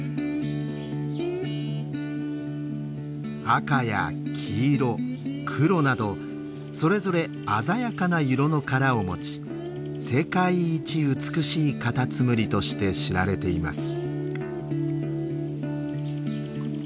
赤や黄色黒などそれぞれ鮮やかな色の殻を持ち世界一美しいカタツムリとして知られています。